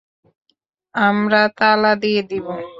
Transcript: আমরা তালা দিয়ে দিবো।